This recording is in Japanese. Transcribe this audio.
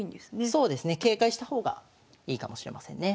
そうですね警戒した方がいいかもしれませんね。